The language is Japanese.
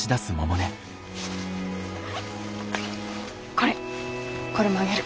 これこれもあげる。